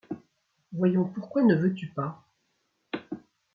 Voyons, pourquoi ne veux-tu pas ?